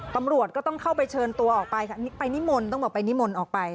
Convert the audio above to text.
ตำรวจก็ต้องเข้าไปเชิญตัวออกไปค่ะไปนิมนต์ต้องบอกไปนิมนต์ออกไป